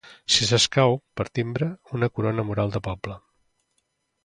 Si s'escau per timbre una corona mural de poble.